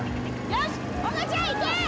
よしおがちゃんいけ！